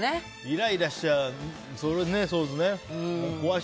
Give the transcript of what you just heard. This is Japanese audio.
イライラしちゃう。